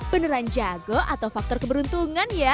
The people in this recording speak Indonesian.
beneran jago atau faktor keberuntungan ya